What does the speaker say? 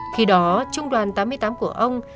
khi đó trung đoàn tám mươi tám của ông